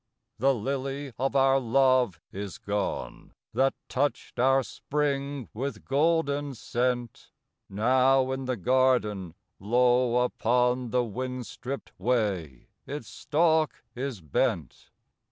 The lily of our love is gone, That touched our spring with golden scent; Now in the garden low upon The wind stripped way its stalk is bent.